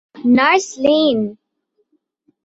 Oh, nurse lane!